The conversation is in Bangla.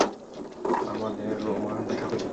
আমাদের রোমা দেখা হয়েছিল।